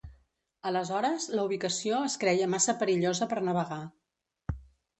Aleshores, la ubicació es creia massa perillosa per navegar.